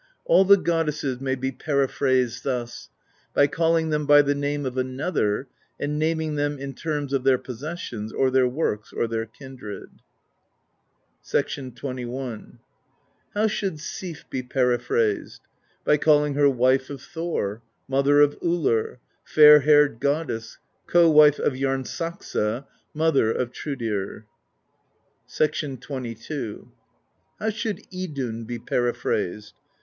All the goddesses may be periphrased thus: by calling them by the name of another, and naming them in terms of their possessions or their works or their kindred. [XXL "How should Sif be periphrased? By calling her Wife of Thor, Mother of Ullr, Fair Haired Goddess, Co Wife of Jarnsaxa, Mother of Thrudr. XXH. " How should Idunn be periphrased